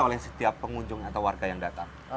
oleh setiap pengunjung atau warga yang datang